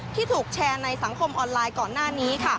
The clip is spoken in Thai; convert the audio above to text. ที่ถูกแชร์ในสังคมออนไลน์ก่อนหน้านี้